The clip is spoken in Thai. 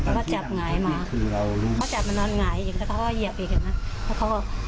เขาจับหงายมาเขาจับมานอนหงายอีกแล้วเขาก็เหยียบอีกเห็นไหมแล้วเขาก็